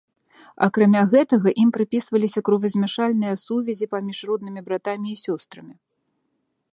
Акрамя гэтага, ім прыпісваліся кровазмяшальныя сувязі паміж роднымі братамі і сёстрамі.